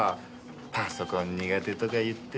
パソコン苦手とか言っててもう。